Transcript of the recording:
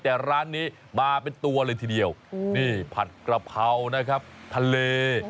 แต่ร้านนี้มาเป็นตัวเลยทีเดียวนี่ผัดกระเพรานะครับทะเล